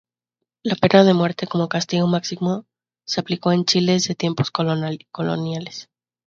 La pena de muerte como castigo máximo se aplicó en Chile desde tiempos coloniales.